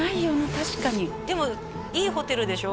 確かにでもいいホテルでしょ？